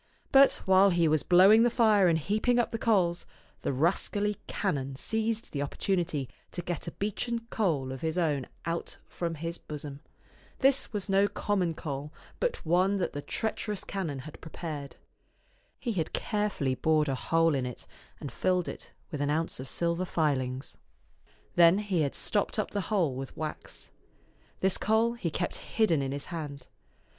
But while he was blowing the fire and heaping up the coals, the rascally canon seized the opportunity to get a beechen coal of €^t Canon'0 ^^oman'0 $afe 209 his own out from his bosom. This was no common coal, but one that the treacherous canon had prepared. He had carefully bored a hole in it, and filled it with an ounce of silver filings. Then he had stopped up the hole with wax. This coal he kept hidden in his hand.